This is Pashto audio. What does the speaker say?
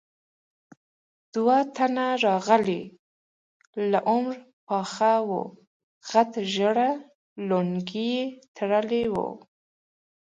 دوه تنه راغلل، له عمره پاخه ول، غټې ژېړې لونګۍ يې تړلې وې.